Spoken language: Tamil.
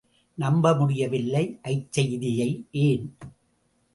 நம்ப முடியவில்லை அச்செய்தியை ஏன்?